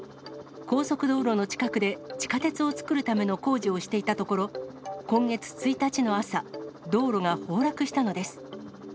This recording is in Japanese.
高速道路の近くで、地下鉄を作るための工事をしていたところ、今月１日の朝、道路が崩落したのです。